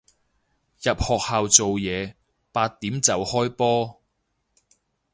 入學校做嘢，八點就開波